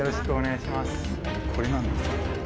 これなんですけど。